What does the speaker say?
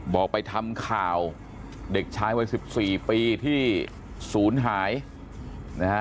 บอกไปทำข่าวเด็กชายวัย๑๔ปีที่ศูนย์หายนะฮะ